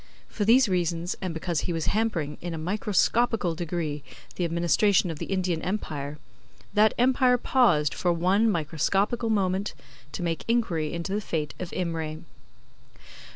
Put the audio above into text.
For these reasons, and because he was hampering, in a microscopical degree, the administration of the Indian Empire, that Empire paused for one microscopical moment to make inquiry into the fate of Imray.